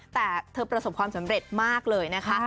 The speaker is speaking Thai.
แต่เธอประสบความสำเร็จมากเลยนะคะ